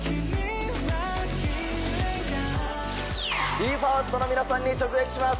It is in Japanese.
ＢＥ：ＦＩＲＳＴの皆さんに直撃します。